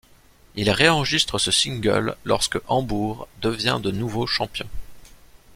Il réenregistre ce single lorsque Hambourg devient de nouveau champion.